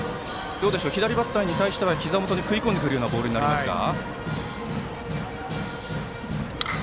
左バッターに対してはひざ元に食い込んでくるボールでしょうか。